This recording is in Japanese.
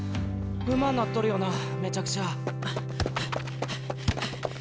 うまぁなっとるよなめちゃくちゃ。